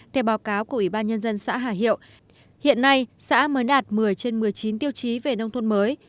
theo báo cáo của ủy ban nhân dân xã hà hiệu hiện nay xã mới đạt một mươi trên một mươi chín tiêu chí về nông thôn mới